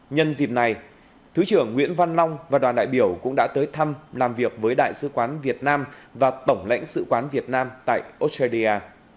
nhân dịp này thứ trưởng nguyễn văn long và đoàn đại biểu cũng đã tới thăm làm việc với đại sứ quán việt nam và tổng lãnh sự quán việt nam tại australia